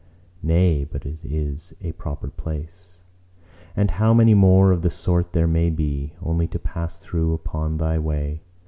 "Nay, but it is a proper place." "And how many more of the sort there may be; only to pass through upon thy way!